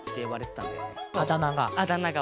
あだなが？